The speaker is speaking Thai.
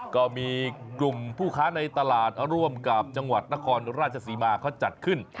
ก็มีกลุ่มผู้ค้าในตลาดร่วมกับจังหวัดนครราชศรีมาเขาจัดขึ้น